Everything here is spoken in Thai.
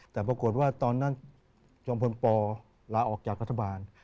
แต่ปรากฏว่าตอนนั้นจังหวนปอล์ลาออกจากพัฒนาบาล